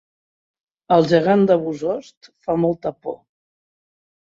El gegant de Bossòst fa molta por